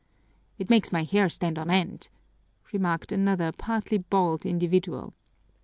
"It makes my hair stand on end!" remarked another partly bald individual.